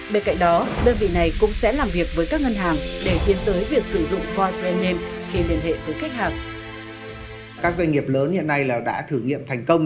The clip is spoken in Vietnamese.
bên cạnh đó đơn vị này cũng sẽ làm việc với các ngân hàng để tiến tới việc sử dụng void brand name khi liên hệ với khách hàng